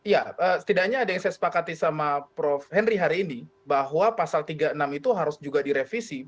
ya setidaknya ada yang saya sepakati sama prof henry hari ini bahwa pasal tiga puluh enam itu harus juga direvisi